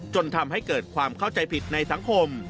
จนทำให้เกิดความเข้าใจผิดในสังคม